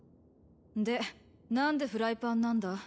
でなんでフライパンなんだ？